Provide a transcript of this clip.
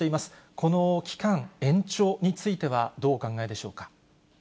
この期間延長についてはどうお考えでしょうか。